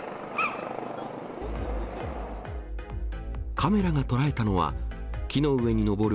カメラが捉えたのは、木の上に登る